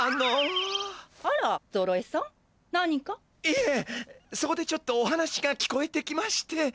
いえそこでちょっとお話が聞こえてきまして。